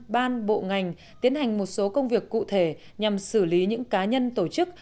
ban bộ ngành tiến hành một số công việc cụ thể nhằm xử lý những cá nhân tổ chức